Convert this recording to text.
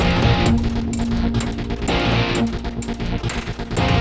aku mau nolak